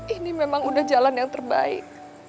ini memang udah jalan yang terbaik